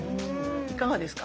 いかがですか。